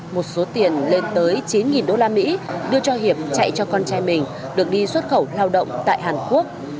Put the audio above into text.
một số tiền lên tới chín đô la mỹ đưa cho hiệp chạy cho con trai mình được đi xuất khẩu lao động tại hàn quốc